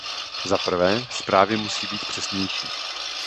Za prvé, zprávy musí být přesnější.